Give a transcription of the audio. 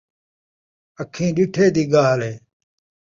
اکّھیں ݙِٹّھے دی ڳالھ ہِے